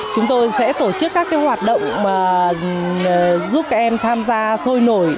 chúng tôi sẽ tổ chức các hoạt động giúp các em tham gia sôi nổi